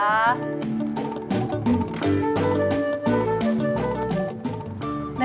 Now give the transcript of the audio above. nanti kamu dimakan